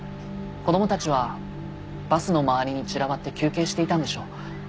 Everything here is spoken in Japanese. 子供たちはバスの周りに散らばって休憩していたんでしょう。